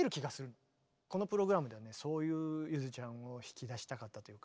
このプログラムではねそういうゆづちゃんを引き出したかったというか。